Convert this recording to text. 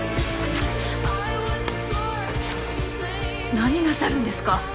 何なさるんですか？